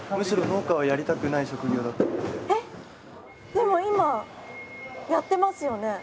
⁉でも今やってますよね？